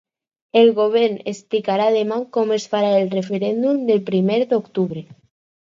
El govern explicarà demà com es farà el referèndum del primer d’octubre.